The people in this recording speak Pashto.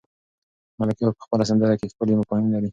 ملکیار په خپله سندره کې ښکلي مفاهیم لري.